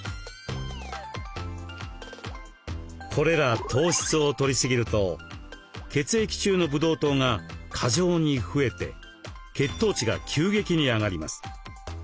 これら糖質をとり過ぎると血液中のブドウ糖が過剰に増えて血糖値が急激に上がります。